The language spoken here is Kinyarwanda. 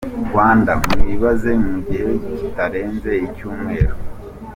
Rwanda Mwibaze: mu gihe kitarenze icyumweru,